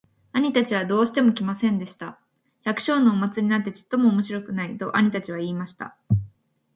兄たちはどうしても来ませんでした。「百姓のお祭なんてちっとも面白くない。」と兄たちは言いました。